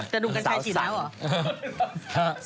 แต่หนุ่มกัญชัยฉีดแล้วเหรอ